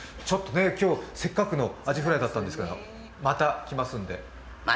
今日はせっかくのアジフライだったんですがまた来ますんで。